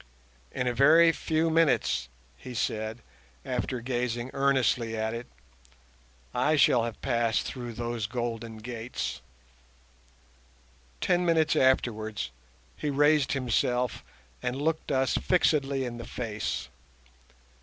"In a very few minutes," he said, after gazing earnestly at it, "I shall have passed through those golden gates." Ten minutes afterwards he raised himself and looked us fixedly in the face.